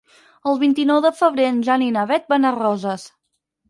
El vint-i-nou de febrer en Jan i na Beth van a Roses.